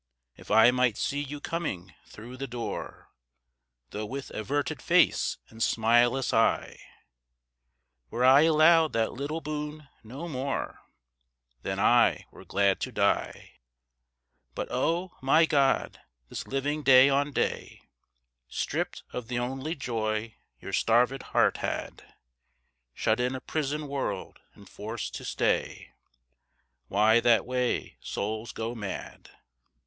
If I might see you coming through the door, Though with averted face and smileless eye, Were I allowed that little boon, no more, Then I were glad to die. But oh, my God! this living day on day, Stripped of the only joy your starved heart had, Shut in a prison world and forced to stay Why that way souls go mad!